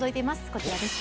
こちらです。